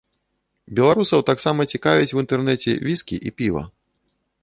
Беларусаў таксама цікавяць у інтэрнэце віскі і піва.